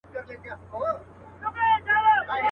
له هر کونجه یې جلا کول غوښتنه.